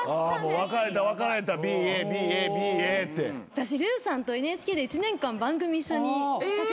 私ルーさんとＮＨＫで１年間番組一緒にさせていただいてた。